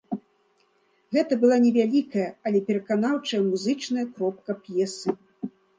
Гэта была невялікая, але пераканаўчая музычная кропка п'есы.